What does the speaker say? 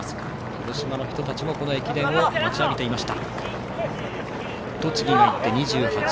広島の人たちもこの駅伝を待ちわびていました。